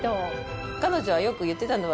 彼女がよく言ってたのは。